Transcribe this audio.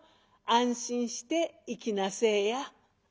安心して行きなせえや」。